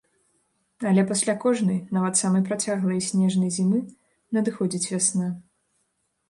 Але пасля кожнай, нават самай працяглай і снежнай зімы надыходзіць вясна.